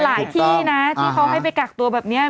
ที่นะที่เขาให้ไปกักตัวแบบนี้